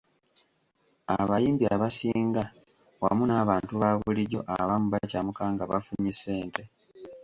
Abayimbi abasinga wamu n’abantu ba bulijjo abamu bakyamuka nga bafunye ssente.